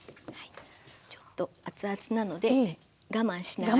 ちょっと熱々なので我慢しながら。